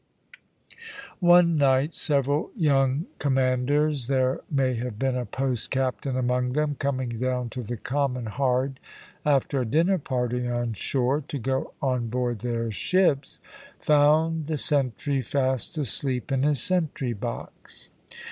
"One night several young commanders, there may have been a post captain among them, coming down to the Common Hard, after a dinner party on shore, to go on board their ships, found the sentry fast asleep in his sentry box.